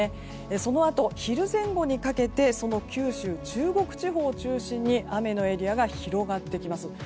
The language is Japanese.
そのあと、昼前後にかけて九州、中国地方を中心に雨のエリアが広がっています。